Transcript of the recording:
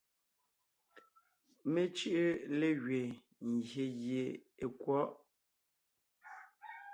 Mé cʉ́ʼʉ légẅiin ngyè gie è kwɔ̌ʼ.